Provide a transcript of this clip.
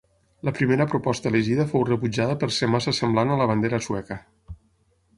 La primera proposta elegida fou rebutjada per ser massa semblant a la bandera sueca.